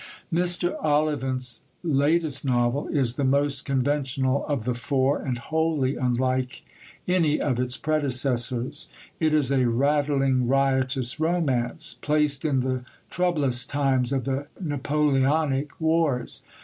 Mr. Ollivant's latest novel is the most conventional of the four, and wholly unlike any of its predecessors. It is a rattling, riotous romance, placed in the troublous times of the Napoleonic wars.